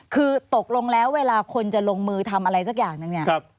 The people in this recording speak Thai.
คือตกลงแล้วเวลาคนจะลงมือทำอะไรสักอย่างหนึ่งเนี่ย